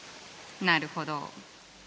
なるほど。